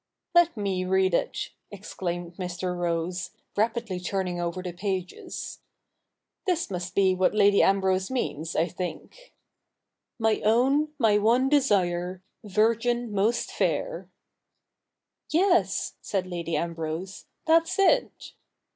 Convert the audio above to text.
' Let me read it,' exclaimed Mr. Rose, rapidly turning over the pages. ' This must be what Lady Ambrose means, I think :— My own, my one desire, ViTgin 7nost fair.'' ' Yes,' said Lady Ambrose, ' that's it.'